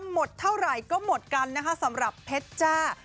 หมดเท่าไหร่ก็หมดกันนะคะสำหรับเพชรจ้า